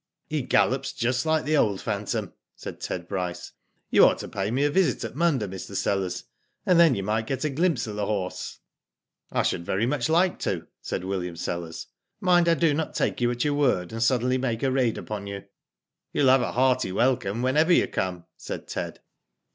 "He gallops just like the old phantom," said Ted Bryce. "You ought to pay me a visit at Munda, Mr. Sellers, and then you might get § glimpse of the horse." Digitized byGoogk THE COLT BY PHANTOM. 217 *' I should very much like to," said William Sellers. " Mind I do not take you at your word, and suddenly make a raid upon you," You will have a hearty welcome whenever you come," said Ted.